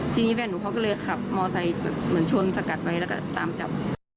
ทีนี้แฟนหนูเขาก็เลยขับมอไซค์แบบเหมือนชนสกัดไว้แล้วก็ตามจับ